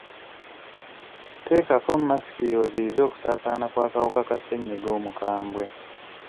Teekako masiki oziiyize okusaasaana kw'akawuka ka ssennyiga omukambwe.